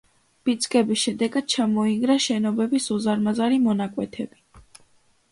ბიძგების შედეგად ჩამოინგრა შენობების უზარმაზარი მონაკვეთები.